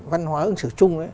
văn hóa ứng xử chung